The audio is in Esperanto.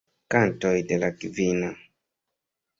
Kontoj de la Kvina.